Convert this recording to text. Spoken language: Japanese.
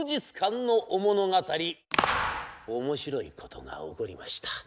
面白いことが起こりました。